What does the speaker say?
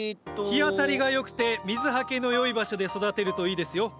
日当たりが良くて水はけの良い場所で育てるといいですよ。